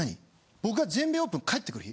僕が全米オープン帰って来る日？